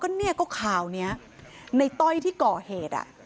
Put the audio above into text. ก็เนี่ยก็ข่าวนี้ในต้อยที่ก่อเหตุ